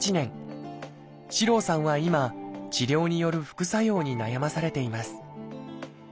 四郎さんは今治療による副作用に悩まされています。